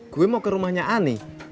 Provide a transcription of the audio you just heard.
gue mau ke rumahnya ani